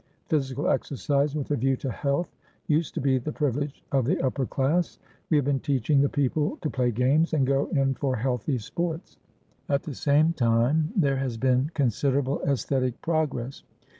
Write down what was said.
Physical exercise, with a view to health, used to be the privilege of the upper class; we have been teaching the people to play games and go in for healthy sports. At the same time there has been considerable aesthetic progress.